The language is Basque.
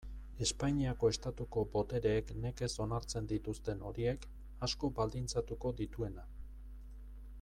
Espainiako Estatuko botereek nekez onartzen dituzten horiek, asko baldintzatuko dituena.